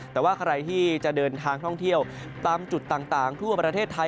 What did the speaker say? แต่ว่าใครที่จะเดินทางท่องเที่ยวตามจุดต่างทั่วประเทศไทย